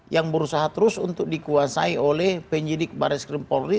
yang berusaha terus untuk dikuasai oleh penyidik baris krim polri